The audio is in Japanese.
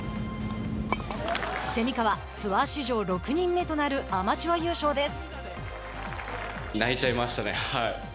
蝉川、ツアー史上６人目となるアマチュア優勝です。